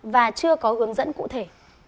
và chưa có hướng dẫn cụ thể